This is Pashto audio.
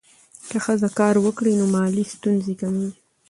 که ښځه کار وکړي، نو مالي ستونزې کمېږي.